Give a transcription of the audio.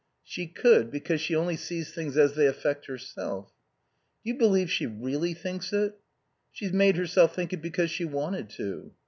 "She could, because she only sees things as they affect herself." "Do you believe she really thinks it?" "She's made herself think it because she wanted to."